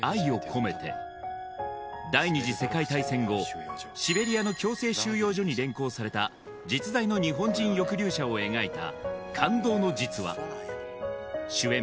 第二次世界大戦後シベリアの強制収容所に連行された実在の日本人抑留者を描いた感動の実話主演